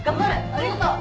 ありがとう。